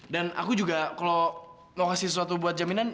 dan aku juga kalau mau kasih sesuatu buat jaminan